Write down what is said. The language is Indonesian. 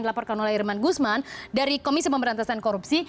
dilaporkan oleh irman gusman dari komisi pemberantasan korupsi